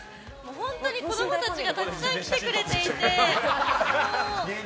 本当に子供たちがたくさん来てくれていて。